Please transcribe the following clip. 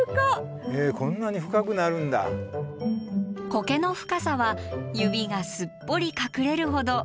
コケの深さは指がすっぽり隠れるほど。